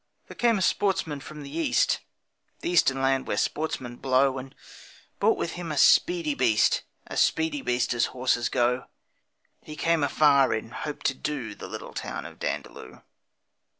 There came a sportsman from the East, The eastern land where sportsmen blow, And brought with him a speedy beast A speedy beast as horses go. He came afar in hope to 'do' The little town of Dandaloo.